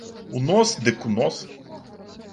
У нос дык у нос!